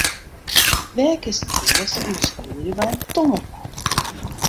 Wêr kinst it bêste ûnder skûlje by in tongerbui?